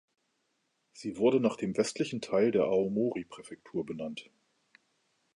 Sie wurde nach dem westlichen Teil der Aomori-Präfektur benannt.